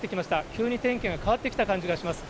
急に天気が変わってきた感じがします。